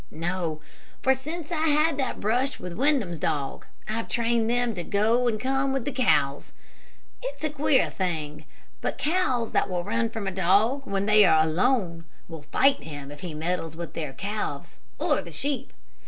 "No; for since I had that brush with Windham's dog, I've trained them to go and come with the cows. It's a queer thing, but cows that will run from a dog when they are alone will fight him if he meddles with their calves or the sheep.